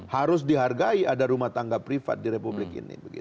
harus dihargai ada rumah tangga privat di republik ini